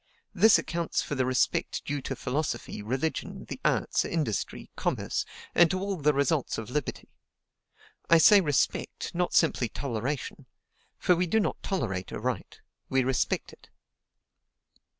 This accounts for the respect due to philosophy, religion, the arts industry, commerce, and to all the results of liberty. I say respect, not simply toleration; for we do not tolerate a right, we respect it."